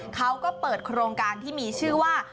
เขาก็เปิดโครงการที่มีชื่อว่า